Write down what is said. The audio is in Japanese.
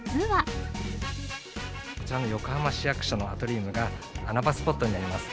こちらの横浜市役所のアトリウムが、穴場スポットになります。